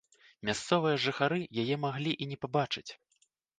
Мясцовыя жыхары яе маглі і не пабачыць.